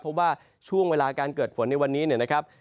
เพราะว่าช่วงเวลาการเกิดฝนในวันนี้นะครับ